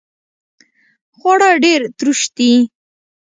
خواړه ډیر تروش دي